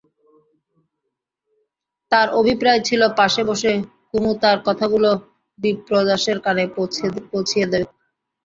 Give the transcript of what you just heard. তার অভিপ্রায় ছিল পাশে বসে কুমু তার কথাগুলো বিপ্রদাসের কানে পৌঁছিয়ে দেবে।